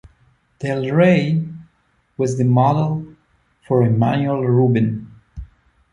Del Rey was the model for "Emmanuel Rubin".